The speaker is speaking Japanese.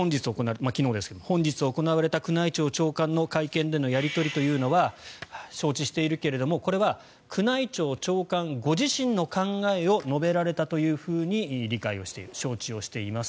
本日行われた宮内庁長官の会見でのやり取りは承知しているけれどもこれは宮内庁長官ご自身の考えを述べられたというふうに理解をしています